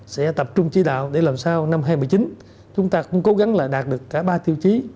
sẽ tập trung chỉ đạo để làm sao năm hai nghìn một mươi chín chúng ta cũng cố gắng là đạt được cả ba tiêu chí